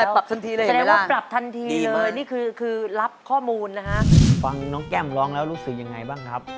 ได้ปรับทันทีเลยเหมือนกันล่ะดีมากนี่คือรับข้อมูลนะฮะแก้มร้องแล้วรู้สึกยังไงบ้างครับ